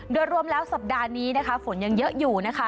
โดยรวมแล้วสัปดาห์นี้นะคะฝนยังเยอะอยู่นะคะ